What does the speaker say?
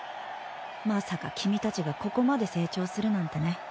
まさか君たちがここまで成長するなんてね。